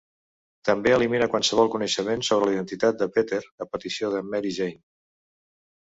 També elimina qualsevol coneixement sobre la identitat de Peter, a petició de Mary Jane.